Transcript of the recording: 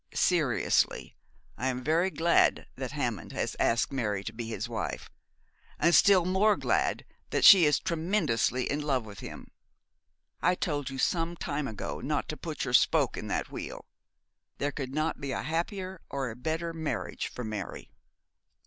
'Seriously I am very glad that Hammond has asked Mary to be his wife, and still more glad that she is tremendously in love with him. I told you some time ago not to put your spoke in that wheel. There could not be a happier or a better marriage for Mary.'